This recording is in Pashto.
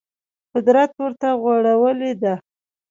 قدرت ورته غوړولې ده